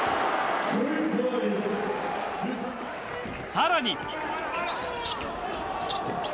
更に。